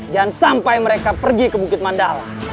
jangan sampai mereka pergi ke bukit mandala